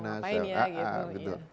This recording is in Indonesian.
mau ngapain ya